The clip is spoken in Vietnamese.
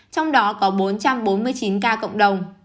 trong đó có bốn trăm bốn mươi chín ca cộng đồng